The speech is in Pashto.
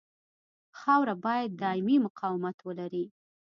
خاوره باید دایمي مقاومت ولري